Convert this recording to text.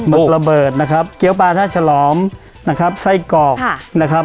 ระเบิดนะครับเกี้ยวปลาท่าฉลอมนะครับไส้กรอกนะครับ